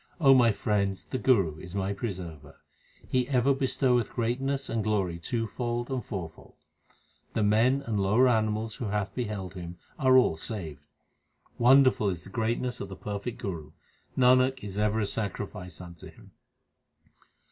O my friends, the Guru is my preserver. He ever bestoweth greatness and glory twofold and four fold. The men and lower animals who have beheld him are all saved. Wonderful is the greatness of the perfect Guru ; Nanak is ever a sacrifice unto him.